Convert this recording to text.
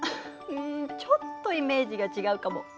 うんちょっとイメージが違うかも。